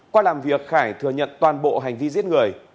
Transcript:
qua làm việc khải thừa nhận toàn bộ hành vi giết người